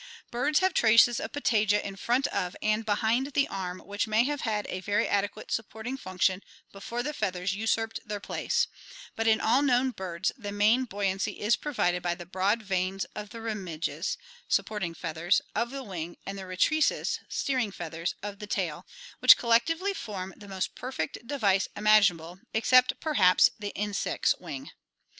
Birds have traces of patagia in front of and behind the arm which may have had a very adequate support ing function before the feathers usurped their place; but in all known birds the main buoy ancy is provided by the broad vanes of the remiges (supporting feathers) of the wing and rectrices (steering feathers) of the tail which collectively form the most perfect device imaginable, except, perhaps, the insect's wing.